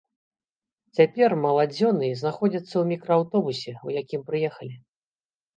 Цяпер маладзёны знаходзяцца ў мікрааўтобусе, у якім прыехалі.